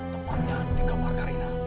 tepatnya di kamar karina